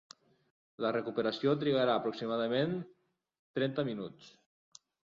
La recuperació trigarà aproximadament trenta minuts.